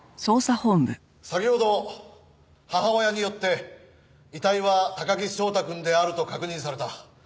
先ほど母親によって遺体は高木翔太くんであると確認された。